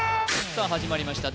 さあ始まりました